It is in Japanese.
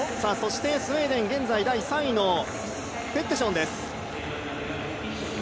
スウェーデン、現在３位のヘッテションです。